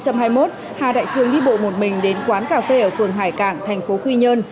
hà đại trường đi bộ một mình đến quán cà phê ở phường hải cảng thành phố quy nhơn